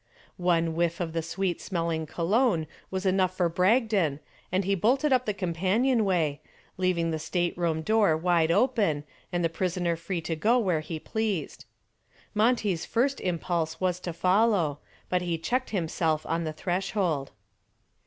One whiff of the sweet smelling cologne was enough for Bragdon and he bolted up the companionway, leaving the stateroom door wide open and the prisoner free to go where he pleased. Monty's first impulse was to follow, but he checked himself on the threshold.